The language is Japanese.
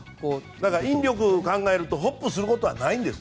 引力を考えるとホップすることはないんです。